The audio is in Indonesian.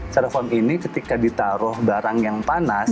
telepon ini ketika ditaruh barang yang panas